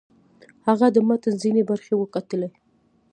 هغه د متن ځینې برخې وکتلې.